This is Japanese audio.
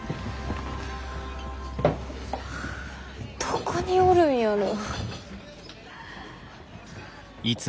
どこにおるんやろ。